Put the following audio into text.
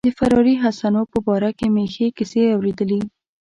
د فراري حسنو په باره کې مې ښې کیسې اوریدلي.